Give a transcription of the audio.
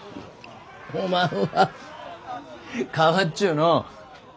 おまんは変わっちゅうのう。